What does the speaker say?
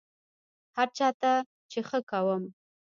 هر چا ته چې ښه کوم،